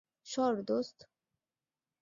সরো, দোস্ত।